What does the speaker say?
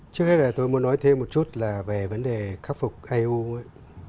trước hết là tôi muốn nói thêm một chút là về vấn đề khắc phục au ấy